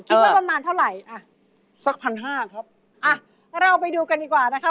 ประมาณเท่าไหร่อ่ะสักพันห้าครับอ่ะเราไปดูกันดีกว่านะคะ